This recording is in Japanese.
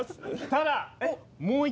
ただ。